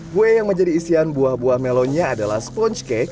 kue yang menjadi isian buah buah melonnya adalah sponge cake